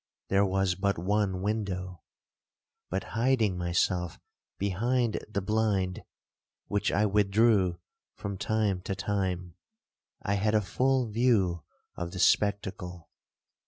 There was but one window; but, hiding myself behind the blind, which I withdrew from time to time, I had a full view of the spectacle.